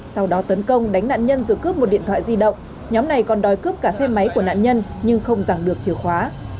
sau đó tấn công đánh nạn nhân rồi cướp một điện thoại di động nhóm này còn đòi cướp cả xe máy của nạn nhân nhưng không giảng được chìa khóa